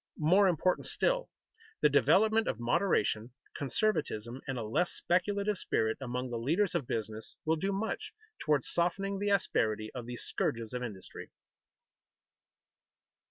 More important still, the development of moderation, conservatism, and a less speculative spirit among the leaders of business will do much toward softening the asperity of these scourges of industry.